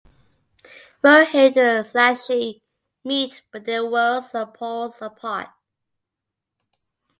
Rohit and Sonakshi meet but their worlds are poles apart.